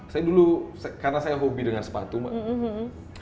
saya dulu karena saya hobi dengan sepatu mbak